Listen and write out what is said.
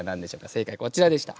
正解こちらでした。